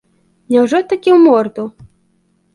Няўжо такі ў морду?